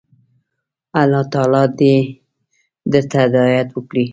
الله تعالی دي درته هدايت وکړي.